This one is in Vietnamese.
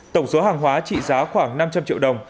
tổng số hàng hóa trị giá khoảng năm trăm linh triệu đồng